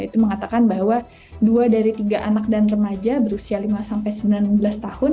itu mengatakan bahwa dua dari tiga anak dan remaja berusia lima sampai sembilan belas tahun